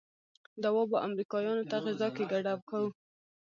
دوا به امريکايانو ته غذا کې ګډه کو.